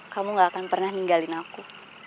kamu gak akan pernah ninggalin aku